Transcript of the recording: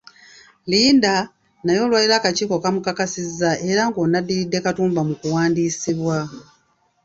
Linda naye olwaleero akakiiko kamukakasizza era ng'ono addiridde Katumba mu kuwandiisibwa.